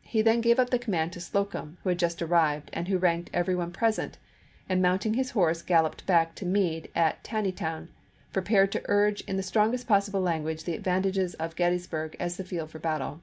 He then gave up the command to Slocum, who had just arrived, and who ranked every one present, and mounting his horse galloped back to Meade at Taneytown, prepared to urge in the strongest possible language the advantages of Gettysburg as the field for battle.